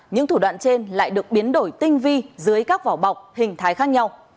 những thủ đoạn trên lại được biến đổi tinh vi dưới các vỏ bọc hình thái khác nhau